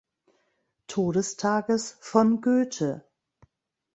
Todestages von Goethe.